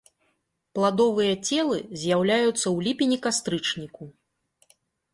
Пладовыя целы з'яўляюцца ў ліпені-кастрычніку.